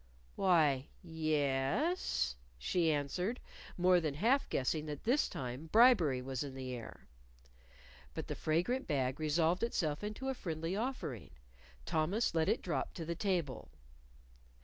"Why, ye e es," she answered, more than half guessing that this time bribery was in the air. But the fragrant bag resolved itself into a friendly offering. Thomas let it drop to the table.